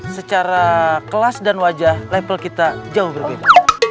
secara kelas dan wajah level kita jauh berbeda